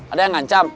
ada yang ngancam